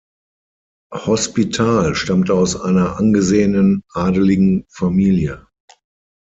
Hospital stammte aus einer angesehenen adligen Familie.